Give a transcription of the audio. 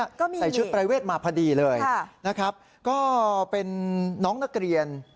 ก็มีใส่ชุดประเวทมาพอดีเลยนะครับก็เป็นน้องนักเรียน